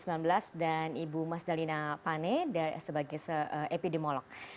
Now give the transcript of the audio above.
covid sembilan belas dan ibu mas dalina pane sebagai epidemiolog